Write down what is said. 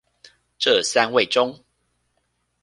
這三位中